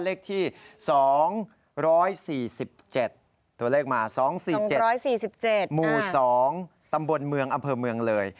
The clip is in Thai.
เลขที่๒๔๗ตัวเลขมา๒๔๗๔๗หมู่๒ตำบลเมืองอำเภอเมืองเลย